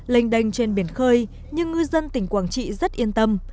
lênh đành trên biển khơi nhưng ngư dân tỉnh quảng trị rất yên tâm